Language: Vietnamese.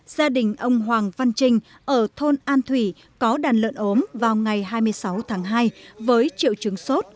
gia đình ông hoàng văn trinh ở thôn an thủy có đàn lợn ốm vào ngày hai mươi sáu tháng hai với triệu chứng sốt